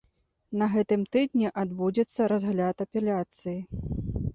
На гэтым тыдні адбудзецца разгляд апеляцыі.